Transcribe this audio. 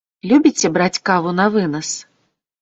Любіце браць каву навынас?